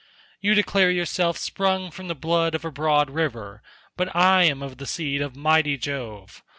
You declare yourself sprung from the blood of a broad river, but I am of the seed of mighty Jove.